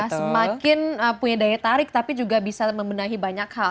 semakin punya daya tarik tapi juga bisa membenahi banyak hal